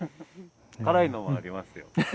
辛いのもありますよ。